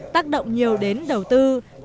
tác động nhiều đến đầu tư